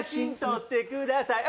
撮ってください。